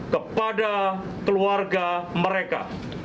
kepada keluarga mereka